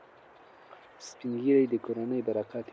سپین ږیري د کورنۍ برکت وي.